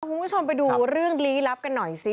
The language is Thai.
คุณผู้ชมไปดูเรื่องลี้ลับกันหน่อยสิ